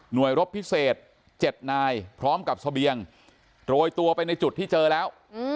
โดยรบพิเศษ๗นายพร้อมกับเสบียงโรยตัวไปในจุดที่เจอแล้ว